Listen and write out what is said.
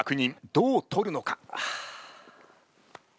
どう取るのか？